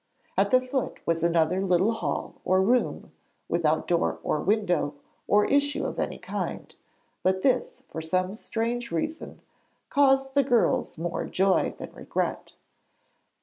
At the foot was another little hall or room, without door or window or issue of any kind; but this, for some strange reason, caused the girls more joy than regret.